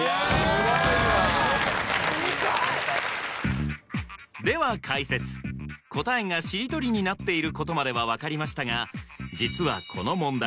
すごい！では解説答えがしりとりになっていることまでは分かりましたが実はこの問題